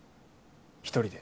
一人で。